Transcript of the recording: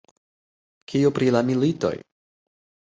Kio pri la militoj?